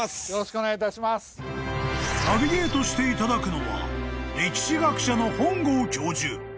［ナビゲートしていただくのは歴史学者の］